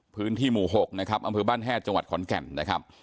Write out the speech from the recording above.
พื้นที่หมู่๖นะครับอำเภอบ้านแฮดจังหวัดขอนแก่นนะครับ